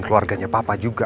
keluarganya papa juga